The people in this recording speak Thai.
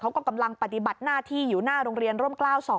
กำลังปฏิบัติหน้าที่อยู่หน้าโรงเรียนร่มกล้าว๒